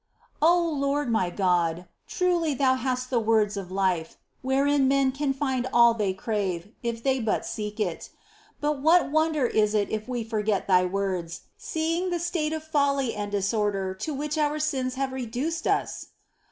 1. O Lord my God, truly "Thou hast the words of life," ' wherein men can find all they crave, if they but seek it ! But what wonder is it if we forget Thy words, seeing the state of folly and disorder to which our sins have reduced us